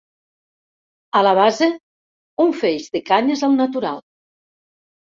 A la base, un feix de canyes al natural.